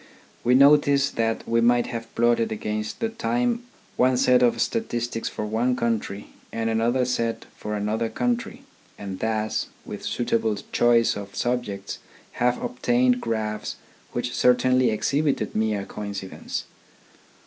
We notice that we might have plotted against the time one set of statistics for one country and another set for another country, and thus, with suitable choice of subjects, have obtained graphs which certainly exhibited mere coincidence.